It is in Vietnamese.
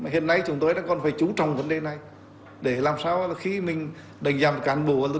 hiện nay chúng tôi đang còn phải chú trọng vấn đề này để làm sao khi mình đánh giá một cán bộ